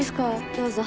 どうぞ。